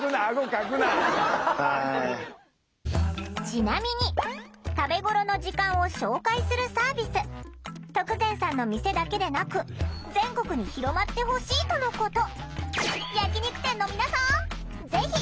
ちなみに食べごろの時間を紹介するサービス徳善さんの店だけでなく全国に広まってほしいとのこと。